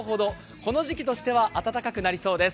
この時期としては暖かくなりそうです。